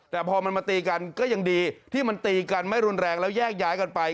แต่พอมันมาตีกันก็ยังดีที่มันตีกันไม่รุนแรงแล้วแยกย้ายกันไป